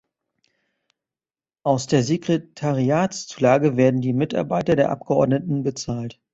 Aus der Sekretariatszulage werden die Mitarbeiter der Abgeordneten bezahlt.